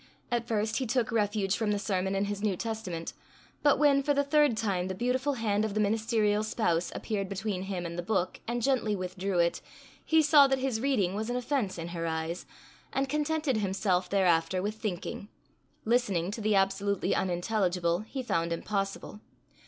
At first he took refuge from the sermon in his New Testament; but when, for the third time, the beautiful hand of the ministerial spouse appeared between him and the book, and gently withdrew it, he saw that his reading was an offence in her eyes, and contented himself thereafter with thinking: listening to the absolutely unintelligible he found impossible.